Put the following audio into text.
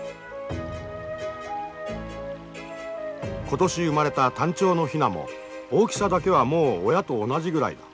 今年生まれたタンチョウのヒナも大きさだけはもう親と同じぐらいだ。